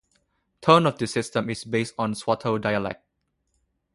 Tone of this system is based on Swatow dialect.